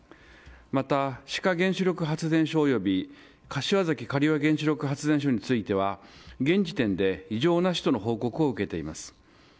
また、志賀原子力発電所および柏崎刈羽原子力発電所については現時点で異常なしとの報告を受けています。